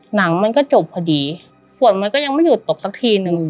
มันก็จบพอดีฝนมันก็ยังไม่หยุดตกสักทีนึง